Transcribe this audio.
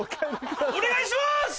お願いします！